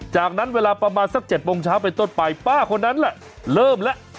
จากนั้นเวลาประมาณสัก๗โมงเช้าไปต้นไปป้าคนนั้นแหละเริ่มแล้ว